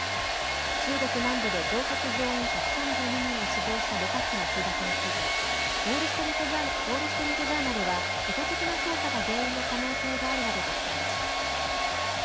中国南部で乗客・乗員１３２人が死亡した旅客機の墜落についてウォール・ストリート・ジャーナルは意図的な操作が原因の可能性があるなどと伝えました。